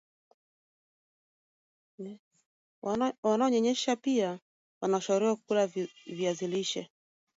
wanaonyonyesha pia wanashauriwa kula viazi lishe